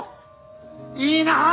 いいなあ！